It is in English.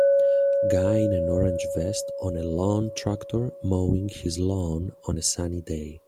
Guy in an orange vest on a lawn tractor mowing his lawn on a sunny day